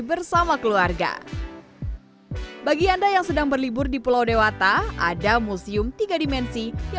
bersama keluarga bagi anda yang sedang berlibur di pulau dewata ada museum tiga dimensi yang